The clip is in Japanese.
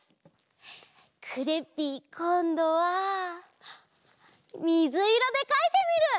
クレッピーこんどはみずいろでかいてみる！